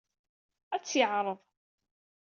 Ad tt-yeɛreḍ.